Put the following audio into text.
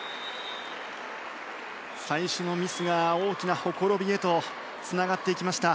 最初のミスが大きなほころびへとつながっていきました。